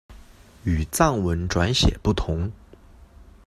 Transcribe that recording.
与藏文转写不同。